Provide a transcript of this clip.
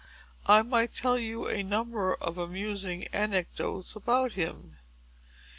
I might tell you a number of amusing anecdotes about him.